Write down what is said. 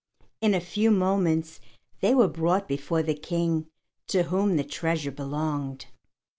In a few moments they were brought before the King to whom the treasure belonged.